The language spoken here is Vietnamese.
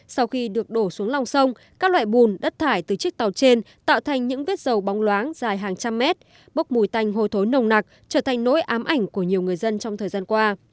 sau khi được đổ xuống lòng sông các loại bùn đất thải từ chiếc tàu trên tạo thành những vết dầu bóng loáng dài hàng trăm mét bốc mùi tanh hồi thối nồng nặc trở thành nỗi ám ảnh của nhiều người dân trong thời gian qua